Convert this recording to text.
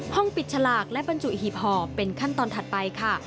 ปิดฉลากและบรรจุหีบห่อเป็นขั้นตอนถัดไปค่ะ